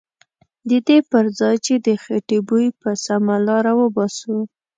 ددې پرځای چې د خیټې بوی په سمه لاره وباسو.